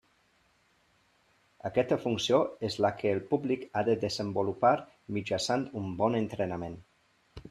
Aquesta funció és la que el públic ha de desenvolupar mitjançant un bon entrenament.